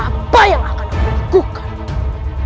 apa yang akan aku lakukan